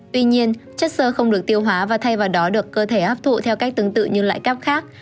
tuy nhiên chất sơ không được tiêu hóa và thay vào đó được cơ thể hấp thụ theo cách tương tự như loại cáp khác